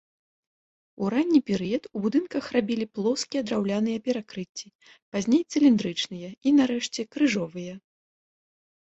У ранні перыяд у будынках рабілі плоскія драўляныя перакрыцці, пазней цыліндрычныя і, нарэшце, крыжовыя.